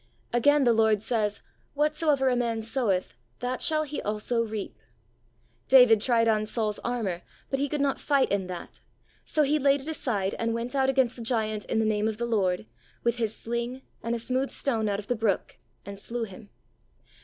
Again the Lord says, " Whatsoever a man soweth, that shall he also reap.'^ David tried on Saul's armour, but he could not fight in that, so he laid it aside and went out against the giant in the name of the Lord, with his sling and a smooth stone out of the brook and slew him.